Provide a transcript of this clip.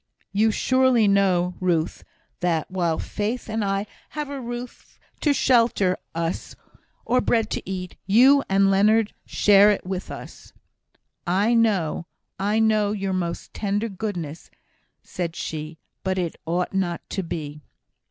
"You surely know, Ruth, that while Faith and I have a roof to shelter us, or bread to eat, you and Leonard share it with us." "I know I know your most tender goodness," said she, "but it ought not to be."